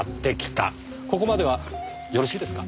ここまではよろしいですか？